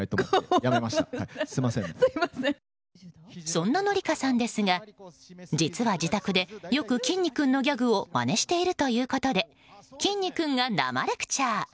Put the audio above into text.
そんな紀香さんですが実は、自宅でよく、きんに君のギャグをまねしているということできんに君が生レクチャー。